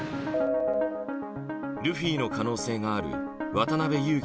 ルフィの可能性がある渡辺優樹